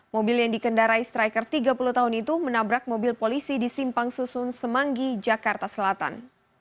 mobil yang dikendarai striker tiga puluh tahun itu menabrak mobil polisi di simpang susun semanggi jakarta selatan